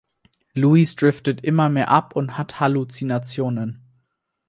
Louise driftet immer mehr ab und hat Halluzinationen.